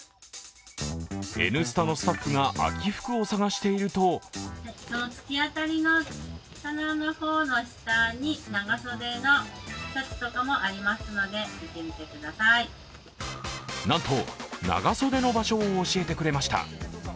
「Ｎスタ」のスタッフが秋服を探しているとなんと長袖の場所を教えてくれました。